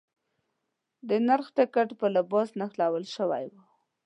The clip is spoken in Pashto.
د نرخ ټکټ په لباس نښلول شوی و.